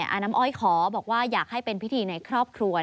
อาน้ำอ้อยขอบอกว่าอยากให้เป็นพิธีในครอบครัว